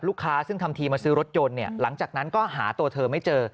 ซึ่งทำทีมาซื้อรถยนต์หลังจากนั้นก็หาตัวเธอไม่เจอ